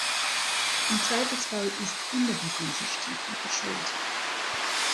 Im Zweifelsfall ist immer die böse Stiefmutter schuld.